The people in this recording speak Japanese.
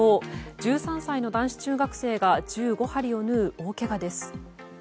１３歳の男子中学生が１５針を縫う大けがです。